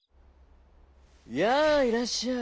「やあいらっしゃい。